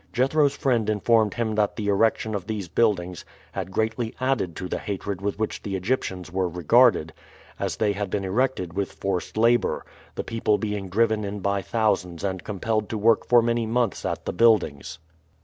Jethro's friend informed him that the erection of these buildings had greatly added to the hatred with which the Egyptians were regarded, as they had been erected with forced labor, the people being driven in by thousands and compelled to work for many months at the buildings.